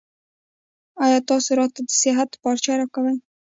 ایا تاسو راته د صحت پارچه راکوئ؟